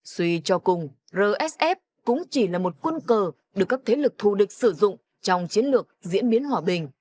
suy cho cùng rsf cũng chỉ là một quân cờ được các thế lực thù địch sử dụng trong chiến lược diễn biến hòa bình